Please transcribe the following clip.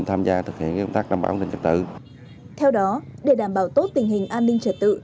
theo đó để đảm bảo tốt tình hình an ninh trật tự